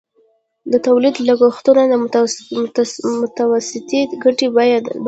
د تولید لګښتونه د متوسطې ګټې بیه لري